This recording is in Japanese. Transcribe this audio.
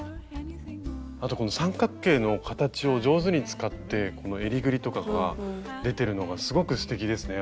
あとこの三角形の形を上手に使ってこのえりぐりとかが出てるのがすごくすてきですね。